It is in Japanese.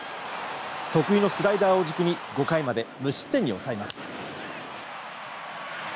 得意のスライダーを軸に５回まで無失点に抑えます。